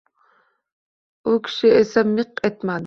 U kishi esa miq etmadi